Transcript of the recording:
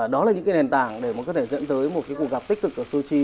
đó là những cái nền tảng để mà có thể dẫn tới một cái cuộc gặp tích cực ở sochi